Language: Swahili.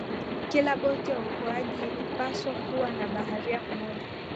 kila boti ya uokoaji ilipaswa kuwa na baharia mmoja